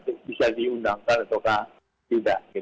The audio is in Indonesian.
apakah diundangkan atau tidak